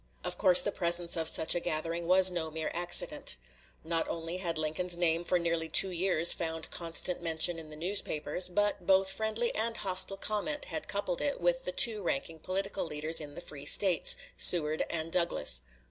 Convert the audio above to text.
Of course the presence of such a gathering was no mere accident. Not only had Lincoln's name for nearly two years found constant mention in the newspapers, but both friendly and hostile comment had coupled it with the two ranking political leaders in the free States Seward and Douglas.